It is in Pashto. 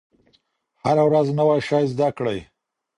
هره ورځ نوی شی زده کړئ.